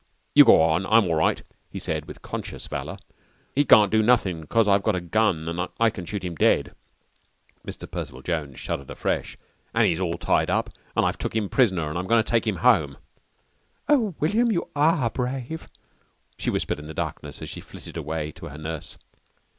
"You go on. I'm all right," he said with conscious valour. "He can't do nothin' 'cause I've got a gun an' I can shoot him dead," Mr. Percival Jones shuddered afresh, "an' he's all tied up an' I've took him prisoner an' I'm goin' to take him home." "Oh, William, you are brave!" she whispered in the darkness as she flitted away to her nurse.